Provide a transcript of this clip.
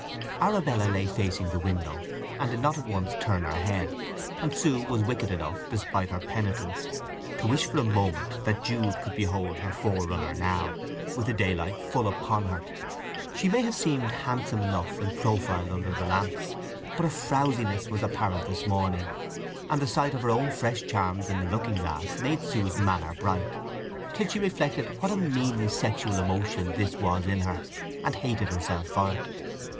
Arabella lay facing the window, and did not at once turn her head: and Sue was wicked enough, despite her penitence, to wish for a moment that Jude could behold her forerunner now, with the daylight full upon her. She may have seemed handsome enough in profile under the lamps, but a frowsiness was apparent this morning; and the sight of her own fresh charms in the looking glass made Sue's manner bright, till she reflected what a meanly sexual emotion this was in her, and hated herself for it.